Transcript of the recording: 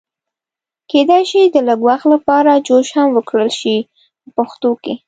کېدای شي د لږ وخت لپاره جوش هم ورکړل شي په پښتو کې.